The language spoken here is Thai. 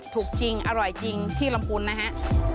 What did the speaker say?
ถูกจริงอร่อยจริงที่ลำพูนนะฮะ